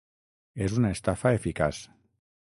És una estafa eficaç.